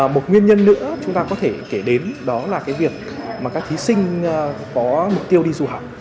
một nguyên nhân nữa chúng ta có thể kể đến đó là cái việc mà các thí sinh có mục tiêu đi du học